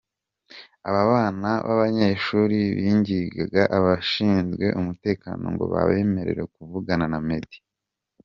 Aba bana b'abanyeshuri bingingaga abashinzwe umutekano ngo babemerere kuvugana na Meddy.